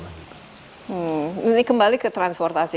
ini kembali ke transportasi